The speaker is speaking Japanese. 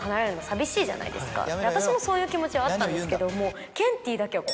私もそういう気持ちはあったんですけどケンティーだけは。